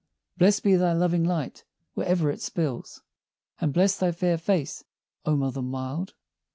Blest be thy loving light, where'er it spills, And blessëd thy fair face, O Mother mild!